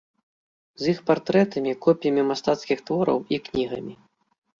З іх партрэтамі, копіямі мастацкіх твораў і кнігамі.